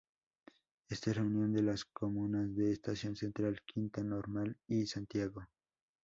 Está en la unión de las comunas de Estación Central, Quinta Normal y Santiago.